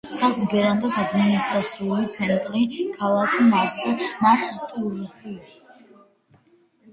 საგუბერნატოროს ადმინისტრაციული ცენტრია ქალაქი მარსა-მატრუჰი.